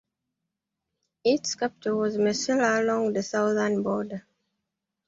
Its capital was Mesilla along the southern border.